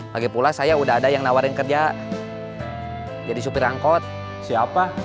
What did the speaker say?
lagi pula saya udah ada yang nawarin kerja jadi supir angkot siapa